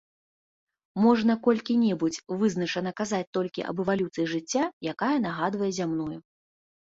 Можна колькі-небудзь вызначана казаць толькі аб эвалюцыі жыцця, якая нагадвае зямную.